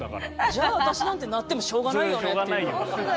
じゃあ私なんてなってもしょうがないよねっていう。